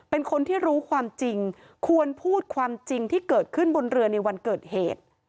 เป็นคนที่รู้ความจริงควรพูดความจริงที่เกิดขึ้นบนเรือในวันเกิดเหตุ